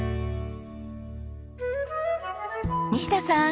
西田さん！